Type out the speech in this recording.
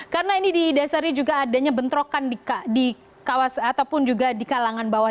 karena ini di dasarnya juga adanya bentrokan di kawasan ataupun juga di kalangan bawah